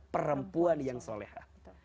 perempuan yang soleha